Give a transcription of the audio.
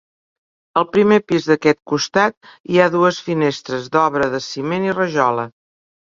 Al primer pis d'aquest costat hi ha dues finestres d'obra de ciment i rajola.